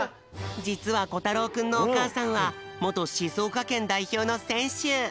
じつはこたろうくんのおかあさんはもとしずおかけんだいひょうのせんしゅ。